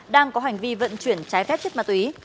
đang có hành vi vận chuyển trái phép chất ma túy